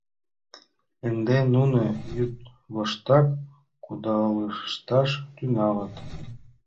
— Ынде нуно йӱдвоштак кудалышташ тӱҥалыт...